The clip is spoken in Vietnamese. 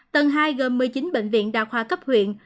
tầng hai gồm một mươi chín bệnh viện đa khoa cấp huyện